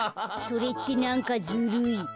それってなんかずるい。